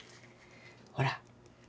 ほら。